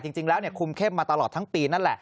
จริงแล้วคุมเข้มมาตลอดทั้งปีนั่นแหละ